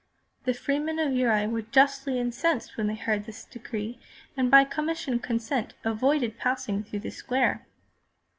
The freemen of Uri were justly incensed when they heard this decree and by com mon consent avoided passing through the square.